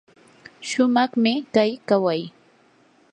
shumaqmi kay kaway.